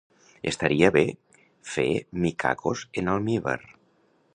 Estaria bé fer micacos en almívar